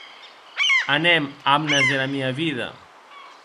Anem, amnes dera mia vida.